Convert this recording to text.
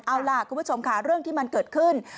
เอาล่ะคุณผู้ชมค่ะเรื่องที่มันเกิดขึ้น